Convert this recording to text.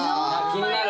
気になる。